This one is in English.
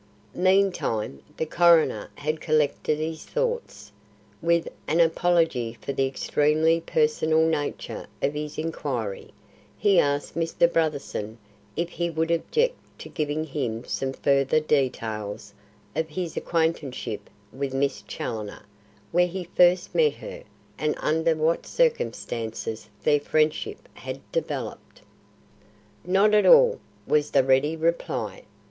Meantime, the coroner had collected his thoughts. With an apology for the extremely personal nature of his inquiry, he asked Mr. Brotherson if he would object to giving him some further details of his acquaintanceship with Miss Challoner; where he first met her and under what circumstances their friendship had developed. "Not at all," was the ready reply.